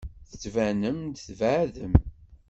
Tettbanem-d tbeɛdem.